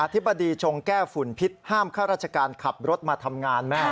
ธิบดีชงแก้ฝุ่นพิษห้ามข้าราชการขับรถมาทำงานแม่